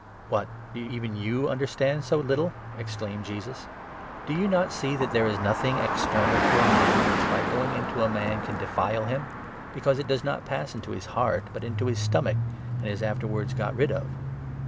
" What, do even you understand so little?" exclaimed Jesus. " Do not you see that there is nothing external to a man, which by going into a man, can ' defile ' him, because it does not pass into his heart, but into his stomach, and is afterwards got rid of?"